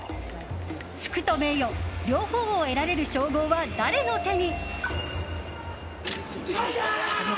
福と名誉、両方を得られる称号は誰の手に。